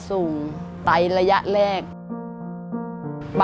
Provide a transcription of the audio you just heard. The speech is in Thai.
สวัสดีครับ